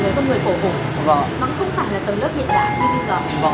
không phải là người cầu hồn nó cũng không phải là tầng lớp hiện đại như bây giờ